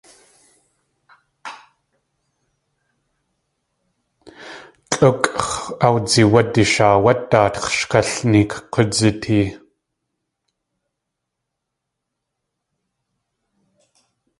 Tlʼúkʼx̲ awsiwadi shaawát daatx̲ shkalneek k̲udzitee.